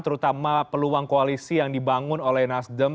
terutama peluang koalisi yang dibangun oleh nasdem